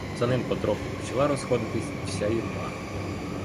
За ним потроху почала розходитись і вся юрба.